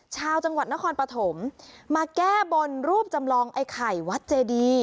ชาวจังหวัดนครปฐมมาแก้บนรูปจำลองไอ้ไข่วัดเจดี